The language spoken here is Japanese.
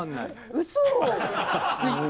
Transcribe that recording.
うそ！